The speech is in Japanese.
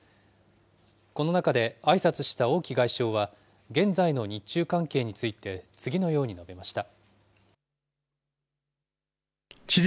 この中であいさつした王毅外相は、現在の日中関係について、次のように述べました。